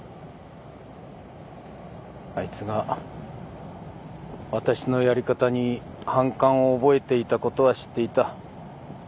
あいつがわたしのやり方に反感を覚えていたことは知っていた。